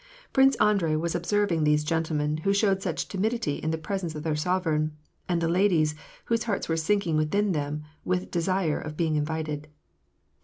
Prince Andrei was observing these gentlemen who showed such timidity in the presence of their sovereign ; and the ladies, whose hearts were sinking within them with desire oi being invited.